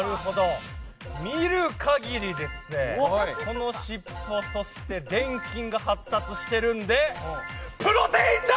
見る限り、この尻尾そして、臀筋が発達してるのでプロテインだ！